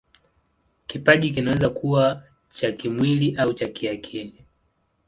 Kipaji kinaweza kuwa cha kimwili au cha kiakili.